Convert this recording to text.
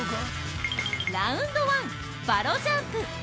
ラウンド１、ヴァロジャンプ。